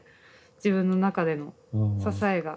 自分の中での支えが。